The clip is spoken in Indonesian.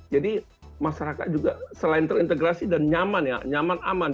jadi masyarakat juga selain terintegrasi dan nyaman ya nyaman aman